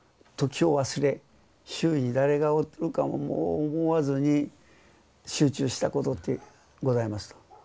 時を忘れ周囲に誰がおるかも思わずに集中したことってございますと。